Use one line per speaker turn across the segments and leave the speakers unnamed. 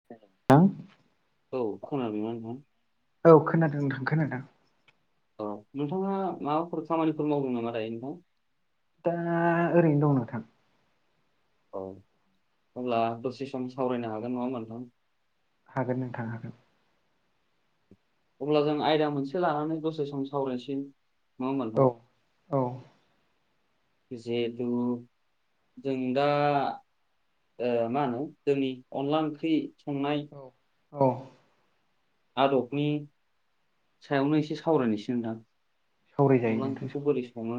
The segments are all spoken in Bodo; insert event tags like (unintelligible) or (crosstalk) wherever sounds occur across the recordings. (inaudible)
औ खना बि मानखौ
औ खोनादों नोंथां खोनादों।
औ नोंथाङा माबाफोर खामानिफोर मावदों नामा दायो नोंथां।
दा ओरैनो दं नोंथां।
औ हब्ला दसे सम सावरायनो हागोन नङा नोंथां।
हागोन नों थांनो हागोन।
अब्ला जों आयदा मोनसे लानानै दसे सम सावरायसिन
औ औ
(inaudible) जों दा मा होनो जोंनि अनला ओंख्रि संनाय
औ औ
आदबनि सायावनो एसे सावरायनोसै होनदां
सावरायजायो
अनला
नोंथां
ओंख्रिखौ बोरै
सावरायजायो
सङो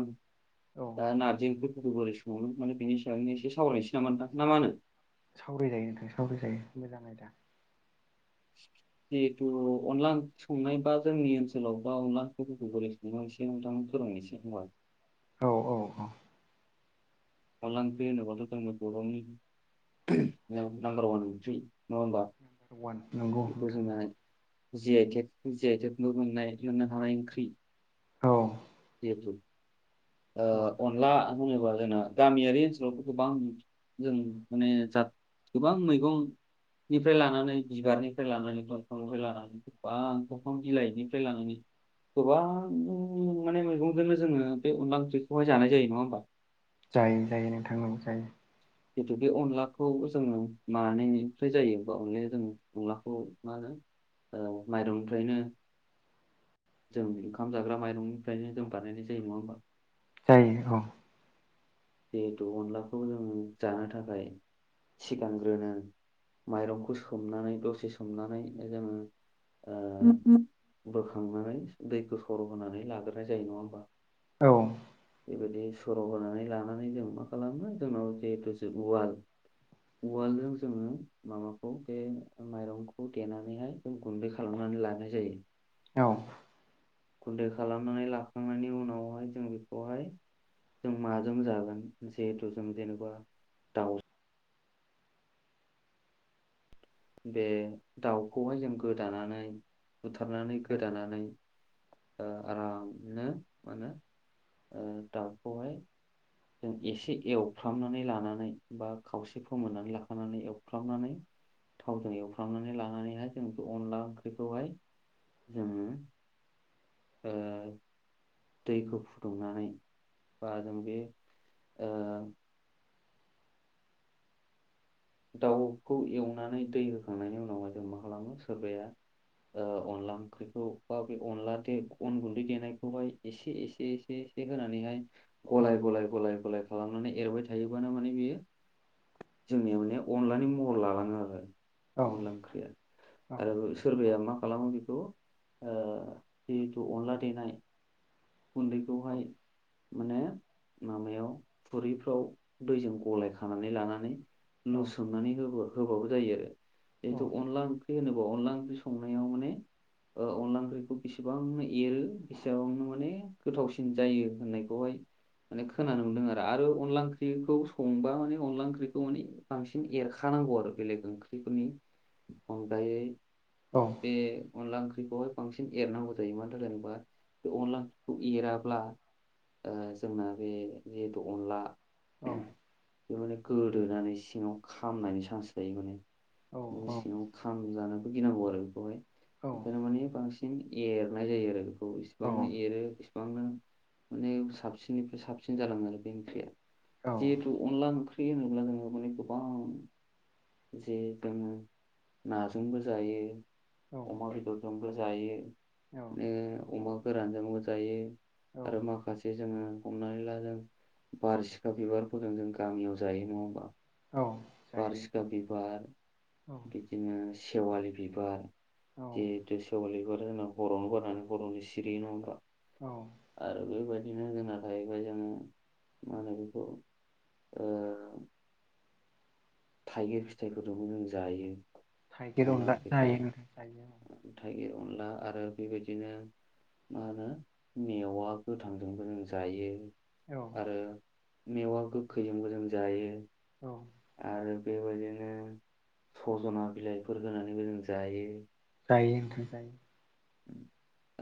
औ
दा
औ
नारजि ओंख्रिखौबो बोरै सङो न माने बेनि सैनो एसे सावरायनोसै नाम नोंथां ना होनो
सावरायजायो नोंथां सावरायजायो मोजाङै
जिहेतु अनला ओ संनाय बा जोंनि ओनसोलाव बा अनला बोरै सङो थां फोरोंनोसै होनबा
औ औ औ दे
अनला ओंर्खि होनो बाथ' जोंनि बर' नि नांमबार वान ओंर्खि ओमबा
वान नंगौ नोंथां नंगौ
(unintelligible) जि आइ टेक जि आइ टेकबो मोननाय मोन्नो हानाय ओंख्रि
औ
जिहेथु
औ
अन अनला होनोबा जोंना गामियारि ओनसोलाव गोबां जों माने जा गोबां मैगंनिफ्राय लानानै बिबारनिफ्राय लानानै दंफांनिफ्राय लानानै गोबां दंफां बिलाइनिफ्राय लानानै गोबां माने मैगंजोंनो जोङो बेनला ओंख्रिखौहाय जानाय जायो नङा होमबा
जायो जायो नोंथां नांगौ जायो।
जिथु बे अनलाखौ जोंओ मानायनिफ्राय जायो होमबा अनलाया जों अनलाखौ मा होनो औ माइरंनिफ्रायनो जों ओंखाम जाग्रा माइरंनिफ्रायनो जों बानायनाय जायो नङा होमबा
जायो औ
जिहेथु अनलाखौ जों जानो थाखाय सिगांग्रोनो माइरंखौ सोमनानै दसे सोमनानै जोङो बोखांनानै दै गोसर होनानै लाग्रोनाय जायो नङा होमबा
औ
बेबायदि सर' होनानै लानानै जों मा खालामो जोंनाव जिहेथु जे उवाल उवालजों जोङो माबाखौ बे माइरंखौ देनानैहाय गुन्दै खालामनानै लानाय जायो।
औ
गुन्दै खालामनानै लाखांनायनि उनावहाय जों बेखौहाय जों माजों जागोन जिहेथु जों जेनेबा दाउ बे दाउखौहाय जों गोदानानै बुथारनानै गोदानानै आरामनो मा होनो ओ दाउखौहाय जों एसे एवफ्रामनानै लानानै बा खावसे फोमोननानै लाखानानै एवफ्रामनानै थावजों एवफ्रांनानै लानानैहाय जों बे अनला ओंख्रिखौहाय जोङो ओ दैखौ फुदुंनानै बा जों बे ओ दाउखौ एवनानै दै होखांनायनि उनावहाय जों मा खालामो सोरबाया ओ अनला ओंख्रिखौ बा बे अनला द अन गुन्दै देनायखौहाय एसे एसे होनानैहाय
औ
गलाय गलाय गलाय गलाय खालामनानै एरबाय थायोबानो माने बियो जोंनि मानायाव अनलानि महर लालाङो आरो
औ
अनला ओंख्रिया।
औ
आरो सोरबाया मा खालामो बेखौ जिहेथु अनला देनाय गुन्दैखौहाय
औ
माने माबायाव थुरैफ्राव दैजों गलाय खानानै लानानै लुसोमनानै होबा होबाबो जायो आरो
औ
जिथु अनला होनोबा अनला ओंख्रि संनायाव माने अनला ओंख्रिखौ बेसिबांनो एरो बेसेबांनो माने गोथावसिन जायो होननायखौहाय माने खोनानो मोनदों आरो आरो अनला ओंख्रिखौ संबा माने अनला ओंख्रिखौ माने बांसिन एरखानांगौ आरो बेलेग ओंख्रिनि अनगायै
औ
बे अनला ओंख्रिखौहाय बांसिन एरनांगौ जायो मानो होनो जेनबा बे अनला खौ एराब्ला जोंना बे जिहेथु अनला
औ
बे माने गोदोनानै सिङाव खामनायनि चान्स जायो माने सिङाव खामजानोबो गिनांगौ आरो बेखौहाय ओंखायनो माने बांसिन एरनाय जायो आरो बेखौसो बेसेबांनो एरो बेसेबांनो माने साबसिननिफ्राय साबसिन जालाङो आरो बे ओंख्रिया। जिहेतु अनला ओंख्रि होनोब्ला माने गोबां जे दङो नाजोंबो जायो अमा बेदर संबा जायो
औ
बि अमाखौ गोरानजोंबो जायो।
औ
आरो माखासे जोङो हमनानै ला जों बारसिखा बिबारफोरजों जों गामियाव जायो नङा होमबा।
औ जायो
बारसिखा बिबार
औ
बिदिनो सेवालि बिबार जे
औ
बिदिनो सेवालिफोरजों ना बर'नो बनानै बर'नि सिरियो नंङा होनबा।
औ
आरो बेबायदिनो जोंना थाहैबाय जोङो मा होनो बेखौ ओ थाइगिर फिथाइफोरखौबो जों जायो।
थाइगिर अनला जायो।
थाइगिर अनला आरो बेबायदिनो मा होनो मेवा गोथांजोंबो जों जायो।
औ
आरो मेवा गोखैजोंबो जों जायो।
औ
आरो बेबायदिनो सजना बिलाइफोर होनानैबो जों जायो।
जायो नोंथां जायो।
उम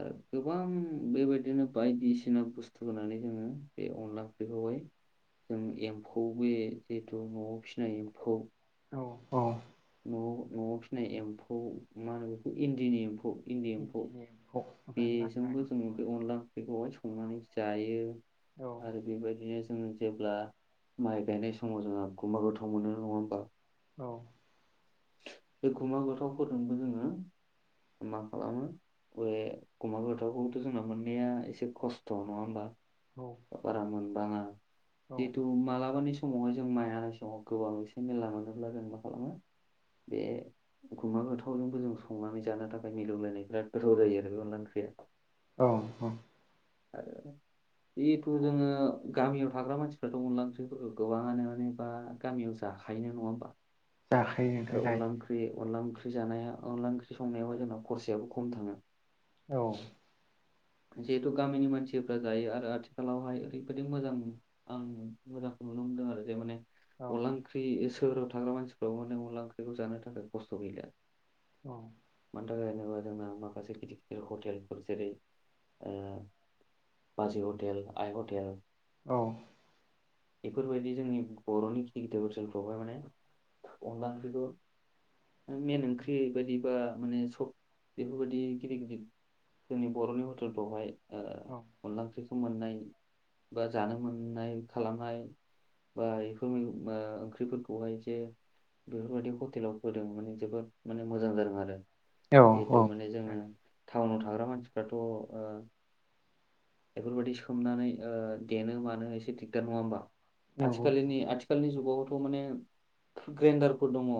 आरो गोबां बेबायदिनो बायदिसिना बुस्थु होनानै जोङो बे अनला ओंख्रिखौहाय जों एम्फौ बे जिहेथु न'आव फिसिनाय एम्फौ
औ
न'आव न'आव फिसिनाय एम्फौ मा होनो बेखौ इन्दिनि एम्फौ इन्दि एम्फौ
इन्दिनि एम्फौ एबा लाथा
बेजोंबो जों
एम्फौ
बे अनला ओंख्रिखौहाय संनानै जायो। आरो बेबायदिनो जों जेब्ला माइ गायनाय समाव जोंहा गमा गोथाव मोनो नङा होमबा
औ
बे गुमा गोथावफोरजोंबो जोङो मा खालामो बे गमा गोथावखौथ' जोंना मोननाया एसे खस्थ' नङा होमबा
औ
बारा मोनबाङा
औ
जिथु मालाबा समावहाय जों माइ आाय समाव गोबां एसे मेरला मोनोब्ला जों मा खालामो बे गोथावजोंबो जों संनानै जानो थाखाय मिलौलायनाय बिराद गोथाव जायो आरो बे अनला ओंख्रिया
औ औ
आरो जिहेथु जोङो गामियाव थाग्रा मानसिफ्राथ' अनला ओंख्रिफोरखौ गोबाङानो माने बा गामियाव जाखायो नङा होमबा
जाखायो। नोंथां
आरो अनला
जायो
ओंख्रि अनला ओंख्रि जानाया अनला ओंख्रि संनायावबो जोंनाव खरसायाबो खम थाङो।
औ
जिहेतु गामिनि मानसिफ्रा जायो आरो आथिखालावहाय ओरैबायदि मोजां आं मोजांखौ नुनो मोनदों आरो जे माने
औ
अनला ओंख्रि सोहोराव थाग्रा मानसिफ्राव माने अनला ओंख्रिखौ जानो थाखाय खस्थ' गैलिया
औ
मानि थाखाय जेनोबा जोंना माखासे गिदिर गिदिर हटेलफोर जेरै ओ बाजै हटेल आइ हटेल
औ
बेफोरबायदि जोंनि बर'नि गिदिर गिदिर ओसोलफ्रावहाय माने अनला ओंख्रि खौ मेन ओंख्रि बायदि बा माने सब बेफोरबायाददि गिदिर गिदिर जोंनि बर'नि हटेलफ्रावहाय ओ
औ
अनला ओंख्रिखौ मोननाय बा जानो मोननाय खालामनाय बाय बेफोर ओंख्रिफोरखौहाय जे बेफोरबायदि हटेलाव फोदों माने जोबोद माने मोजां जादों आरो जिहेथु
जागोन
माने जोङो टाउनाव थाग्रा मानसिफ्राथ' ओ बेफोरबायाददि सोमनानै ओ देनो मानो एसे दिगदार नङा होमबा
नंगौ नंगौ
आथिखालनि आथिखालनि जुगावथ' माने ग्रेन्डारफोर दङ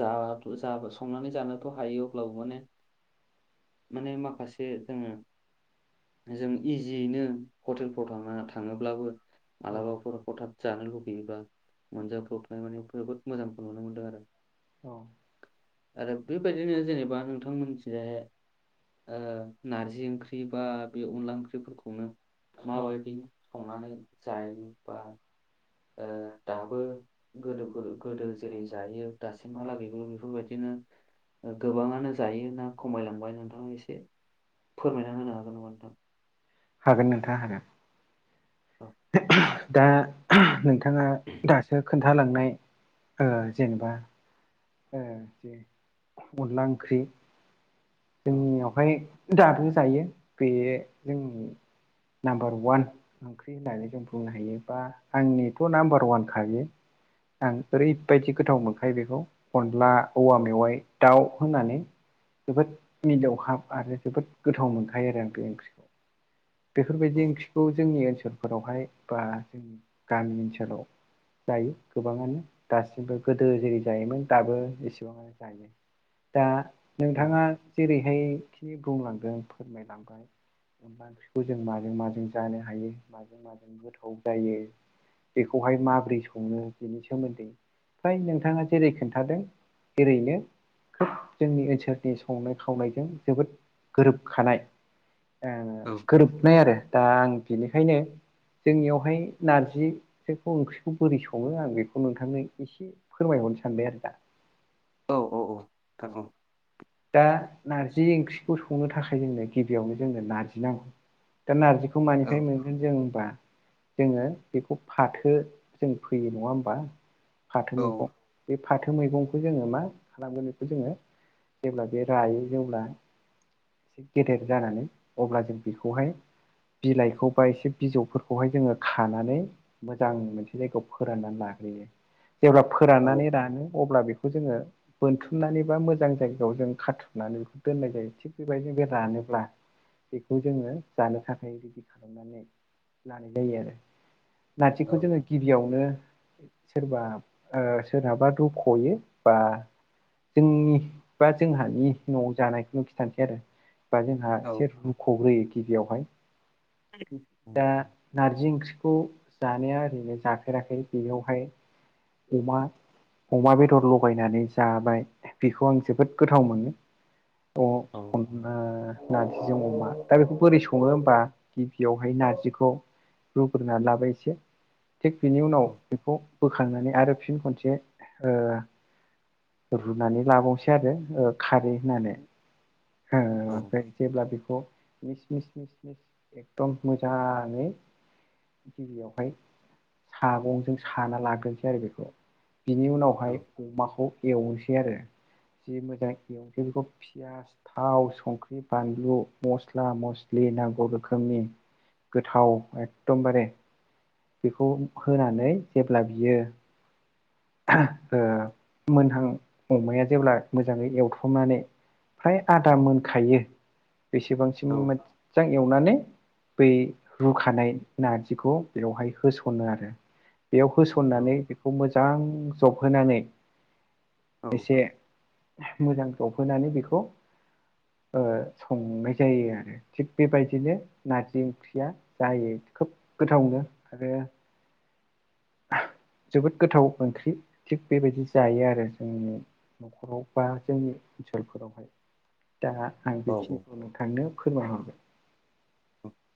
जा जा संनानै जानोथ' हायो अब्लाबो माने माने माखासे जोङो जों इजियैनो हटेलफ्राव थांना थाङोब्लाबो
औ
जानोे लुगैबो बा मोनजाफबाय माने जोबोद मोजांखौ नुनो मोनदों आरो
औ
आरो बेबायदिनो जेनेबा नोंथांमोनथि जायहाय ओ नारजि ओंख्रि बा बे अनला ओंख्रि फोरखौनो
औ
माबायदि संनानै जायो बा ओ दाबो गोदो गोदो जेरै जायो
औ
दासिममालागैबो बेफोरबायदि बिदिनो गोबाङानो जायो ना खमायलांबाय नोंथाङा एसे फोरमायना होनो हागोन नामा नोंथां
हागोन नोंथाङा हागोन
औ
दा नोंथाङा दासो खोन्थ खोनथालांनाय ओ जेनेबा जे अनला ओंख्रि
औ
जोंनियाव महाय दाबो जायो बे जोंनि नाम्बार वान ओंख्रि होननानै जों बुंनो हायो बा आंनिथ' नाम्बार ववान खायो आं ओरैबायदि
औ
गोथाव मोनखायो बेखौ अनला औवा
औ
मेवाइ दाउ होनानै जोबोद मिलोवहाब आरो जोबोद गोथाव मोनखायो आरो आं बे ओंख्रिखौ
औ
बेफोरबायदि ओंख्रि खौ जोंनि ओनसोलफोरावहाय बा जोंनि गामि ओनसोलाव जायो गोबाङानो दासिमबो गोदो जेरै जायोमोन दाबो इसेबाङानो जायो दा
औ
नोंथाङा जेरैहायखिनि बुंलांदों फोरमायलांबाय अबा ओंख्रिखौ जों माजों माजों जानो हायो माजों माजों गोथाव जायो बेखौहाय माबोरै सङो बेनि सोमोन्दै फ्राय नोंथाङा जेरै खोन्थादों एओरैनो खोब जोंनि ओनसोलनि संनाय खावनायजों जोबोद गोरोबखानाय
औ नोंथां
गोरोबनाय आरो दा आं बेनिखायनो जोंनियावहाय नारजिखौ ओंख्रिखौ बोरै सङो आं बेखौ नोंथांनो एसे फोरमायहरनो सानबाय आरो दा
औ औ औ
औ
नांगौ
दा नारजि ओंख्रिखौ संनो थाखाय जोंनो गिबियावनो जोंनो नारजि नांगौ दा नारजिखौ मानिफ्राय मोन बिनो जों होमबा जोङो बेखौ फाथो जों फैयो नङा होमबा फाथो मैगं
औ
बे फाथो मैगंखौ जोङो मा खालामगोन बेखौ जोङो जेब्ला बे रायो जेब्ला एसे गेदेर जानानै अब्ला जों बेखौहाय बिलाइखौ बा एसे बिजौफोरखौहाय जोङो खानानै मोजां मोनसे जायगायाव फोराननानै लाग्रोयो जेब्ला
औ
फोराननानै रानो अब्ला बेखौ जोङो बोनथुमनानै बा मोजां जायगायाव जों खाथुम होननानै बेखौ दोननाय जायो थिग बेबायदि बे रानोब्ला बेखौ जोङो जानो थाखाय रेडि खालामनानै लानाय जायो आरो नार्जिखौ जोङो गिबियावनो सोरबा सोरहाबा दख'यो बा जोंनि बा जोंहानि न'आव जानायखौनो' खिन्थानोसै आरो बा जोंहा एसे रुख'बग्रोयो गिबियावहाय
(inaudible)
दा नारजि ओंख्रिखौ जानाया ओरैनो जाफेराखै बेयावहाय अमा अमा बेदर लगायनानै जाबाय बेखौ आं जोबोद गोथाव मोनो अ नारसै जों अमा दा बेखौ बोरै सङो होमबा गिबियाव बेहाय नारजिखौ रुग्रोनानै लाबाय एसे थिग बेनि उनाव बेखौ बोखांनानै आरो फिन खनसे रुनानै लाबावसै आरो खारै होननानै मफ्राय जेब्ला बेखौ मिस मिस मिस मिस एकदम मोजाङै गिबियावहाय सागंजों साना लाग्रोसै आरो बेखौ बिनि उनावहाय अमाखौ एवनोसै आरो जि मोजां एवनोसै बेखौ पियास थाव, संख्रि, बानलु, मस्ला -मस्लि नांगौ रोखोमनि गोथाव एकदमबारे बेखौ होनानै जेब्ला बियो ओ मोनहां अमाया जेब्ला मोजाङै एवथमनानै फ्राय आदा मोनखायो बेसेबांसिम
औ
मोजां एवनानै बै रुखानाय नारजिखौ बेवहाय होसनो आरो बेयाव
औ
होसननानै बेखौ मोजां जबहोनानै
औ
एसे मोजां जबहोनानै बेखौ संनाय जायो आरो। थिग बेबायदिनो नारजि ओंख्रिया जायो खोब गोथावनो आरो जोबोद गोथाव ओंख्रि थिग बेबायदि जायो आरो जोंनि। न'खराव बा जोंनि ओनसोलफोरावहाय दा आं
औ
बेखिनिखौनो नोंथांनो फोरमाय हरबाय।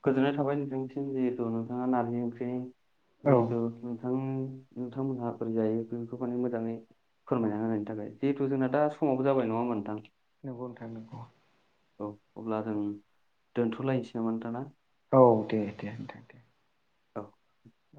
गोजोननाय थाबाय नोंथांनिसिम जिहेथु नोंथाङा नारजि ओंख्रिनि
औ
जिहेथु नोंथां नोंथांमोनहा बोरै जायो बेफोरखौ माने मोजाङै
औ
फोरमायना होनायनि थाखाय जिहेथु जोंना
औ
दा समावबो जाबाय नङा होमबा नोंथां
नंगौ नोंथां नंगौ।
औ अब्ला जों दोनथ'लायसै नामा नोंथां ना?
औ दे दे नोंथां दे।
औ
औ